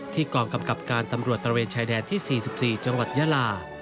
กองกำกับการตำรวจตระเวนชายแดนที่๔๔จังหวัดยาลา